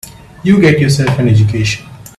You get yourself an education.